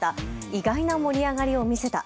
意外な盛り上がりを見せた。